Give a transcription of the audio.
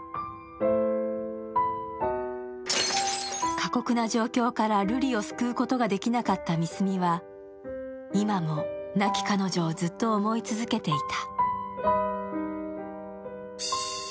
過酷な状況から瑠璃を救うことができなかった三角は、今も、亡き彼女をずっと思い続けていた。